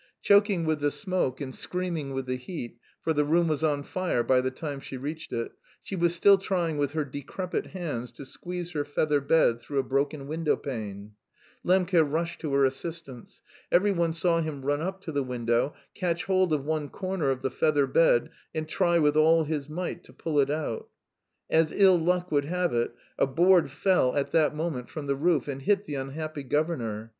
Choking with the smoke and screaming with the heat, for the room was on fire by the time she reached it, she was still trying with her decrepit hands to squeeze her feather bed through a broken window pane. Lembke rushed to her assistance. Every one saw him run up to the window, catch hold of one corner of the feather bed and try with all his might to pull it out. As ill luck would have it, a board fell at that moment from the roof and hit the unhappy governor.